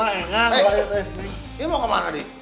eh ini mau kemana d